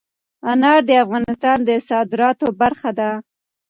انار د افغانستان د صادراتو برخه ده.